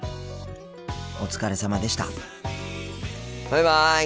お疲れさまでした。